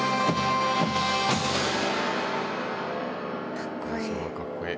かっこいい。